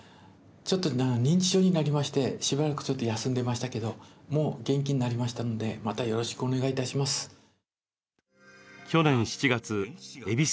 ちょっとあの認知症になりましてしばらくちょっと休んでましたけどもう元気になりましたのでまたよろしくお願いいたします。